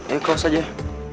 eh close aja yah